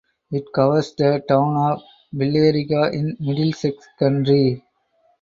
It covers the town of Billerica in Middlesex County.